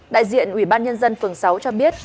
đại diện ubnd phường sáu cho biết